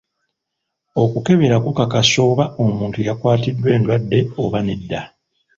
Okukebera kukakasa oba omuntu yakwatiddwa endwadde oba nedda.